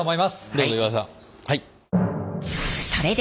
どうぞ岩井さん。